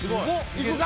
いくか？